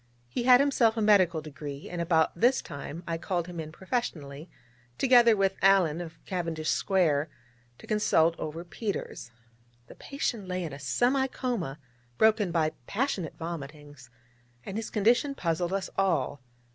He had himself a medical degree, and about this time I called him in professionally, together with Alleyne of Cavendish Square, to consultation over Peters. The patient lay in a semi coma broken by passionate vomitings, and his condition puzzled us all.